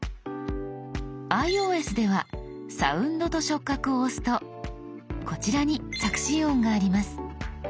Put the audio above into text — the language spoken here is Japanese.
ｉＯＳでは「サウンドと触覚」を押すとこちらに「着信音」があります。